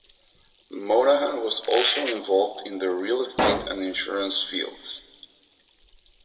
Monahan was also involved in the real estate and insurance fields.